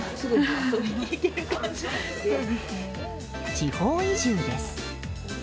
地方移住です。